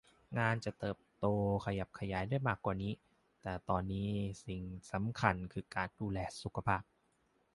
งานจะเติบโตขยับขยายได้มากกว่านี้ แต่ตอนนี้สิ่งสำคัญคือการดูแลสุขภาพ